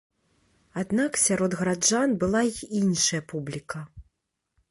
Аднак сярод гараджан была і іншая публіка.